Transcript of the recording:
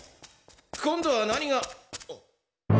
今度は何があっ。